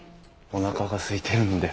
おなかがすいてるので。